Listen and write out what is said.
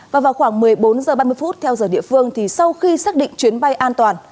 và vào khoảng một mươi bốn h ba mươi theo giờ địa phương thì sau khi xác định chuyến bay an toàn